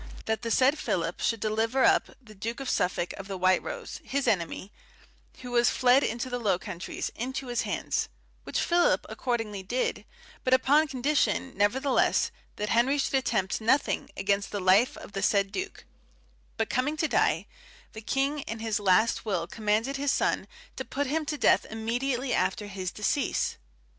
that the said Philip should deliver up the Duke of Suffolk of the White Rose, his enemy, who was fled into the Low Countries, into his hands; which Philip accordingly did, but upon condition, nevertheless, that Henry should attempt nothing against the life of the said Duke; but coming to die, the king in his last will commanded his son to put him to death immediately after his decease.